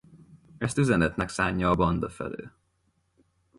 Ezt üzenetnek szánja a banda felé.